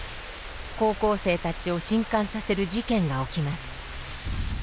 高校生たちを震かんさせる事件が起きます。